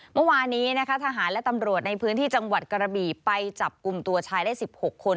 เมื่อวานนี้นะคะทหารและตำรวจในพื้นที่จังหวัดกระบี่ไปจับกลุ่มตัวชายได้๑๖คน